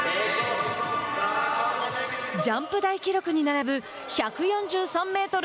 ジャンプ台記録に並ぶ１４３メートル